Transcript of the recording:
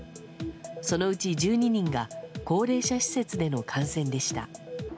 そのうち１２人が高齢者施設での感染でした。